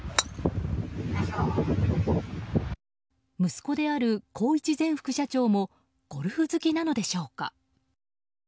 息子である宏一前副社長もゴルフ好きなのでしょうか。